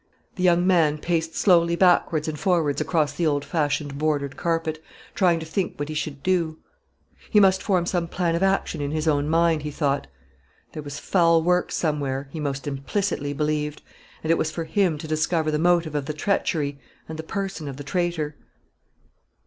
The young man paced slowly backwards and forwards across the old fashioned bordered carpet, trying to think what he should do. He must form some plan of action in his own mind, he thought. There was foul work somewhere, he most implicitly believed; and it was for him to discover the motive of the treachery, and the person of the traitor.